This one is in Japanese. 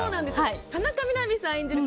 田中みな実さん演じる